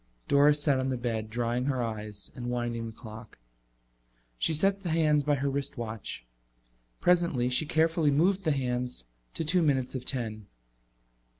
Doris sat on the bed drying her eyes and winding the clock. She set the hands by her wristwatch. Presently she carefully moved the hands to two minutes of ten.